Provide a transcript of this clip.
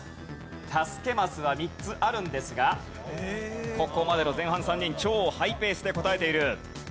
助けマスは３つあるんですがここまでの前半３人超ハイペースで答えている。